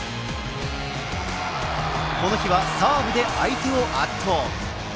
この日はサーブで相手を圧倒。